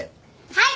はい！